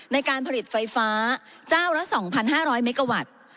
ในการผลิตไฟฟ้าเจ้าละ๒๕๐๐เมกาวัตต์